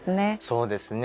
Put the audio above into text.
そうですね。